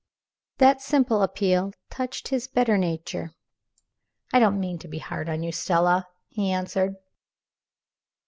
That simple appeal touched his better nature. "I don't mean to be hard on you, Stella," he answered.